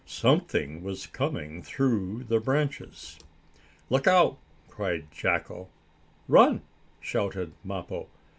Something was coming through the branches. "Look out!" cried Jacko. "Run!" shouted Mappo.